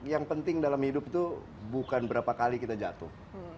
yang penting dalam hidup itu bukan berapa kali kita jatuh